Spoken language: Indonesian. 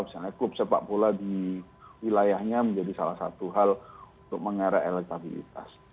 misalnya klub sepak bola di wilayahnya menjadi salah satu hal untuk mengerek elektabilitas